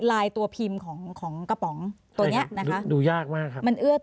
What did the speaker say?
ลายตัวพิมพ์ของของกระป๋องตัวเนี้ยนะคะดูยากมากครับมันเอื้อ